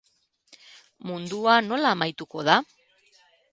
Mundua nola amaituko da?